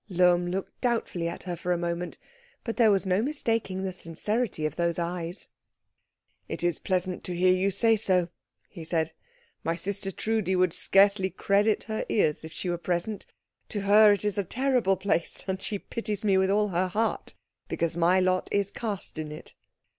Lohm looked doubtfully at her for a moment; but there was no mistaking the sincerity of those eyes. "It is pleasant to hear you say so," he said. "My sister Trudi would scarcely credit her ears if she were present. To her it is a terrible place, and she pities me with all her heart because my lot is cast in it."